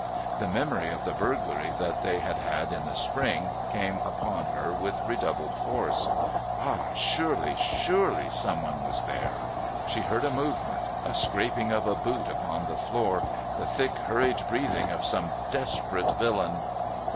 The memory of the burglary that they had had in the spring came upon her with redoubled force. Ah! surely, surely someone was there! She heard a movement, a scraping of a boot upon the floor, the thick hurried breathing of some desperate villain...